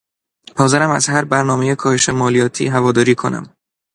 حاضرم از هر برنامهی کاهش مالیاتی هواداری کنم.